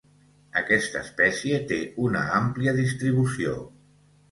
Aquesta espècie té una àmplia distribució.